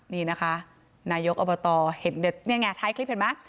นี้น่ะค่ะนายกอบตเห็นไงถ้าไทยคลิปเห็นมั้ย